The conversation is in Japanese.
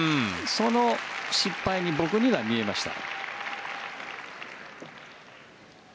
その失敗に僕には見えました。